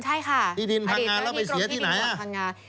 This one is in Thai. ที่ดินภังงานแล้วไปเสียที่ไหนฮะ